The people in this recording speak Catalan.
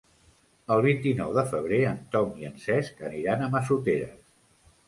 El vint-i-nou de febrer en Tom i en Cesc aniran a Massoteres.